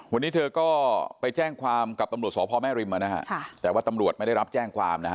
วันนี้เธอก็ไปแจ้งความกับตำรวจสพแม่ริมนะฮะแต่ว่าตำรวจไม่ได้รับแจ้งความนะฮะ